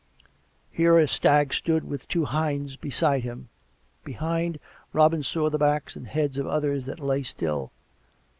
Here a stag stood with two hinds beside him; behind, Robin saw the backs and heads of others that lay still.